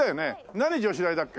何女子大だっけ？